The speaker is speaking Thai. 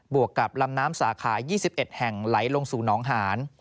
วกกับลำน้ำสาขา๒๑แห่งไหลลงสู่น้องหาน